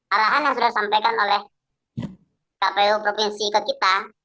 arahan yang sudah disampaikan oleh kpu provinsi ke kita